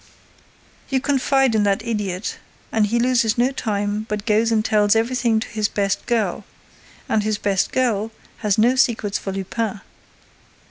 You confide in that idiot and he loses no time, but goes and tells everything to his best girl. And his best girl has no secrets for Lupin.